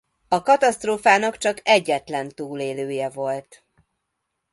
A katasztrófának csak egyetlen túlélője volt.